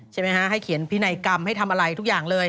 ใช่ไหมฮะให้เขียนพินัยกรรมให้ทำอะไรทุกอย่างเลย